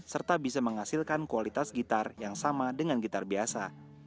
serta bisa menghasilkan kualitas gitar yang sama dengan gitar biasa